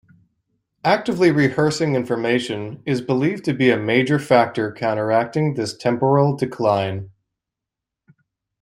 Actively rehearsing information is believed to be a major factor counteracting this temporal decline.